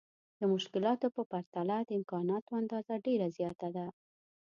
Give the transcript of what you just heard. د مشکلاتو په پرتله د امکاناتو اندازه ډېره زياته ده.